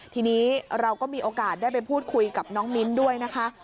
ทีนี้เราก็มีโอกาสได้ไปพูดคุยกับน้องมิ้นด้วยนะคะ